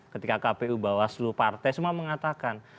ketika kpu bawaslu partai semua mengatakan